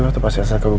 waktu elsa lahir